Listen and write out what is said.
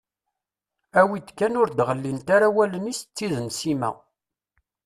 Awi-d kan ur d-ɣellint ara wallen-is d tid n Sima.